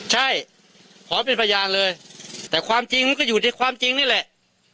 ใช่ขอเป็นพยานเลยแต่ความจริงมันก็อยู่ในความจริงนี่แหละ